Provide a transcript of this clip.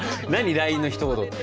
ＬＩＮＥのひと言って。